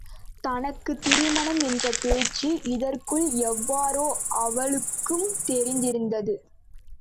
தனக்குத் திருமணம் என்ற பேச்சு இதற்குள் எவ்வாறோ அவளுக்கும் தெரிந்திருந்தது.